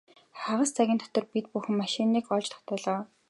Хагас цагийн дотор бид бүх машиныг олж тогтоолоо.